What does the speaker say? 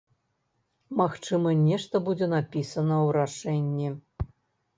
Магчыма, нешта будзе напісана ў рашэнні.